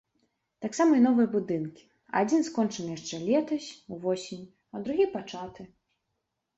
Таксама і новыя будынкі, адзін скончаны яшчэ летась, увосень, а другі пачаты.